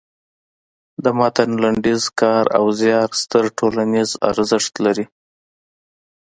د متن لنډیز کار او زیار ستر ټولنیز ارزښت لري.